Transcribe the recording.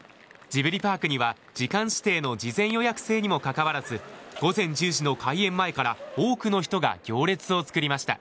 ジブリパークには、時間指定の事前予約制にもかかわらず、午前１０時の開園前から多くの人が行列を作りました。